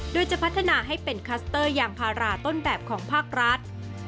โดยจะพัฒนาให้เป็นคัสเตอร์ยางพาราต้นแบบของภาครัฐ